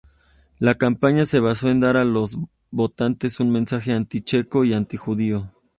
La campaña se basó en dar a los votantes un mensaje anti-checo y anti-judío.